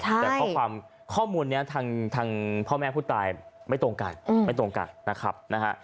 แต่ข้อมูลเนี่ยทางพ่อแม่ผู้ตายไม่ตรงกัน